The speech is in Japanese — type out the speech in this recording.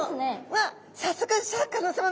わっ早速シャーク香音さま